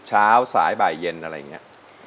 เช้าสายบ่ายเย็นอะไรอย่างนี้